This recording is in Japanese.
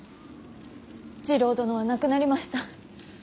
次郎殿は亡くなりました。